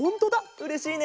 うれしいね。